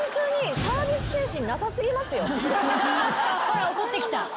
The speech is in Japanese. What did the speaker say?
ほら怒ってきた。